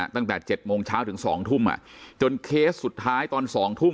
ตั้งแต่๗โมงเช้าถึง๒ทุ่มจนเคสสุดท้ายตอน๒ทุ่ม